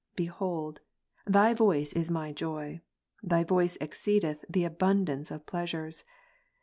Behold, Thy voice is my joy; Thy j/ voice exceedeth the abundance of pleasures.